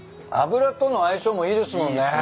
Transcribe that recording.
油との相性もいいですもんね。